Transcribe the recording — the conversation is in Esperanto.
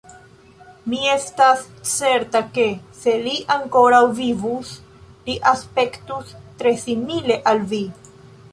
Mi estas certa, ke, se li ankoraŭ vivus, li aspektus tre simile al vi.